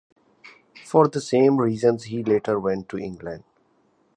For the same reasons he later went to England.